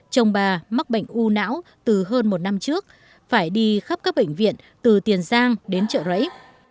chồng bà mắc bệnh u não từ hơn một năm trước phải đi khắp các bệnh viện từ tiền giang đến chợ rẫy